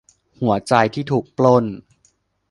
หัวใจที่ถูกปล้น